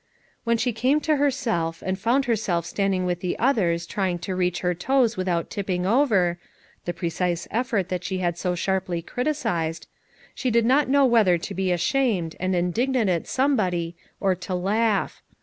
When she came to herself, and found her self standing with the others trying to reach her toes without tipping over — the precise effort that she had so sharply criticised, she did not know whether to be ashamed, and indignant at somebody, or to laugh.